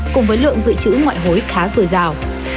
cùng với lượng dự trữ ngoại hối khá dồi dào